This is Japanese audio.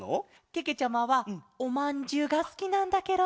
けけちゃまはおまんじゅうがすきなんだケロ。